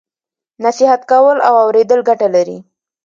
نصیحت کول او اوریدل ګټه لري.